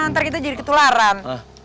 ntar kita jadi ketularan